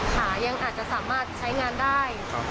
ขายังอาจจะสามารถใช้งานได้